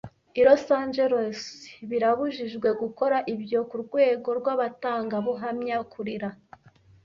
I Los Angeles birabujijwe gukora ibyo kurwego rwabatangabuhamya Kurira